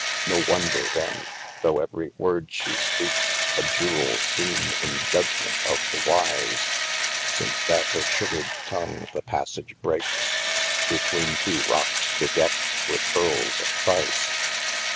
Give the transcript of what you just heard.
No wonder then, though ev'ry word she speakes, A Jewell seeme in judgement of the wise, Since that hir sugred tongue the passage breakes, Betweene two rockes, bedeckt with pearles of price.